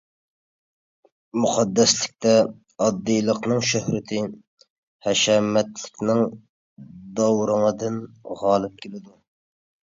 مۇقەددەسلىكتە ئاددىيلىقنىڭ شۆھرىتى ھەشەمەتلىكنىڭ داۋرىڭىدىن غالىپ كېلىدۇ.